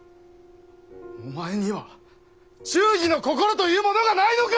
お前には忠義の心というものがないのか！